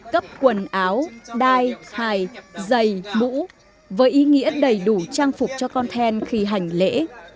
cấp quần áo đai hài dày mũ với ý nghĩa đầy đủ trang phục cho con then khi hành lễ